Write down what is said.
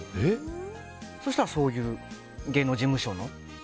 そうしたらそういう芸能事務所の。